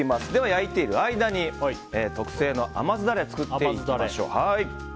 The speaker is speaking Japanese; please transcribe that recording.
焼いている間に特製の甘酢ダレを作っていきましょう。